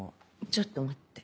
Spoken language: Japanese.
ちょっと待って。